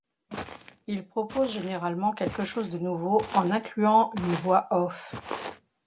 Ils proposent généralement quelque chose de nouveau en incluant une voix-off.